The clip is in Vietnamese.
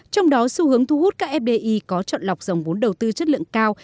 trong đó xu hướng thu hút các fdi có chọn lọc dòng vốn đầu tư chất lượng cao